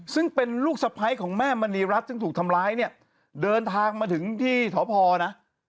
ซึ่งเป็นลูกสะพ้ายของแม่มณีรัฐซึ่งถูกทำร้ายเนี่ยเดินทางมาถึงที่สพนะ